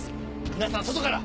皆さんは外から！